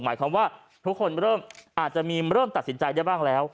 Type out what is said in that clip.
หมายความว่าทุกคนเริ่มอาจจะมีเริ่มตัดสินใจได้บ้างแล้ว